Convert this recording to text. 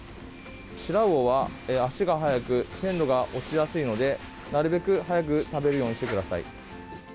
シラウオは足が早く鮮度が落ちやすいのでなるべく早く食べるようにしてください。